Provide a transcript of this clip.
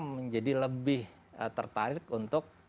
menjadi lebih tertarik untuk